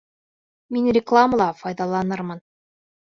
Мин рекламала файҙаланырмын.